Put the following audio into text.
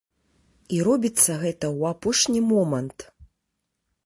І робіцца гэта ў апошні момант.